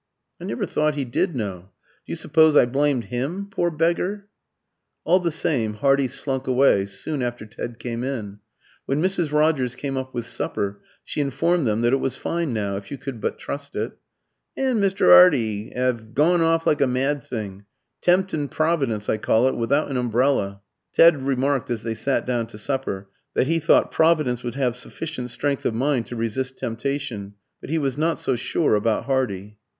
"I never thought he did know. Do you suppose I blamed him, poor beggar?" All the same, Hardy slunk away soon after Ted came in. When Mrs. Rogers came up with supper, she informed them that it was fine now if you could but trust it. And "Mr. 'Ardy 'ad gorn orf like a mad thing. Temptin' Providence, I call it, without an umbrella." Ted remarked, as they sat down to supper, that he thought "Providence would have sufficient strength of mind to resist temptation; but he was not so sure about Hardy."